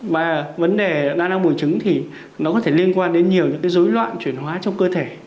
và vấn đề đa năng bùn trứng thì nó có thể liên quan đến nhiều dối loạn chuyển hóa trong cơ thể